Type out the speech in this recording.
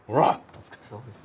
お疲れさまです。